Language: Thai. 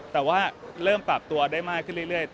แต่ว่าเริ่มปรับตัวได้มากขึ้นเรื่อย